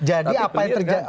jadi apa yang terjadi